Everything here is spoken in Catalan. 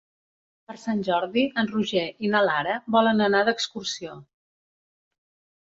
Per Sant Jordi en Roger i na Lara volen anar d'excursió.